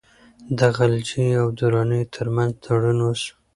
د غلجیو او درانیو ترمنځ تړون وسو.